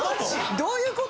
どういうこと？